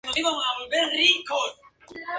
Tras la guerra civil, permaneció en el extranjero.